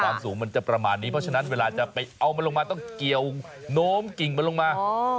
สูงมันจะประมาณนี้เพราะฉะนั้นเวลาจะไปเอามันลงมาต้องเกี่ยวโน้มกิ่งมันลงมา